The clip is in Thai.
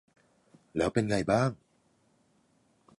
แล้วเป็นไงบ้าง